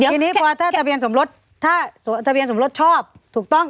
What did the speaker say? ทีนี้พอถ้าทะเบียนสมรสถ้าทะเบียนสมรสชอบถูกต้อง